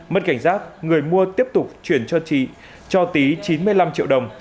mất cảnh giác người mua tiếp tục chuyển cho tý chín mươi năm triệu đồng